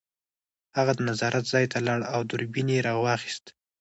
هغه د نظارت ځای ته لاړ او دوربین یې راواخیست